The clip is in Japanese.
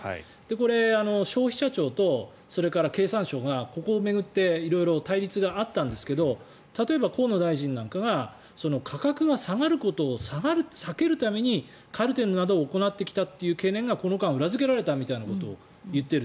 これ、消費者庁とそれから経産省がここを巡って色々対立があったんですけど例えば、河野大臣なんかが価格が下がることを避けるためにカルテルなどを行ってきたという懸念がこの間裏付けられたみたいなことを言っている。